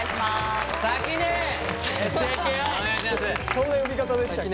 そんな呼び方でしたっけ？